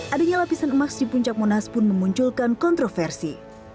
adanya lapisan emas di puncak monas pun memunculkan kontroversi